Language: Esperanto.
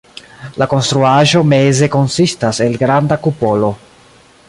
La konstruaĵo meze konsistas el granda kupolo.